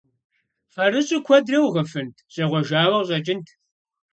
Фэрыщӏу куэдрэ угъыфынт – щӏегъуэжауэ къыщӏэкӏынт.